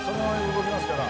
動きますから。